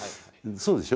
そうでしょ。